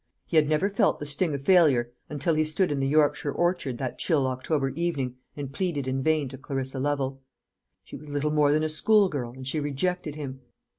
He had never felt the sting of failure until he stood in the Yorkshire orchard that chill October evening, and pleaded in vain to Clarissa Lovel. She was little more than a schoolgirl, and she rejected him.